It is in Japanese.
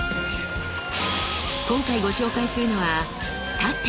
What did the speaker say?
今回ご紹介するのは「殺陣」。